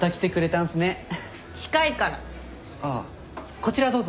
こちらどうぞ。